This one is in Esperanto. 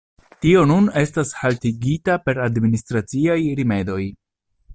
Tio nun estas haltigita per administraciaj rimedoj.